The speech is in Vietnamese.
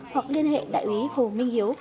hoặc liên hệ đại úy hồ minh hiếu